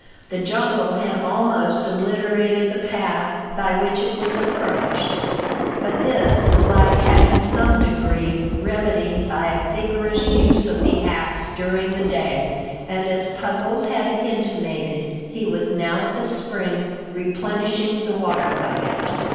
The jungle had almost obliterated the path by which it was approached, but this the black had in some degree remedied by a vigorous use of the axe during the day, and, as Puggles had intimated, he was now at the spring, replenishing the water bucket.